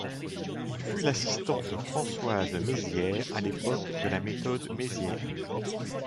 Il fut l'assistant de Françoise Mézières à l'époque de la Méthode Mézières.